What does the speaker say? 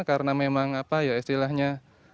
karena memang apa ya istilahnya